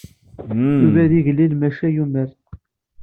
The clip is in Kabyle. Yuba d igellil maca yumer.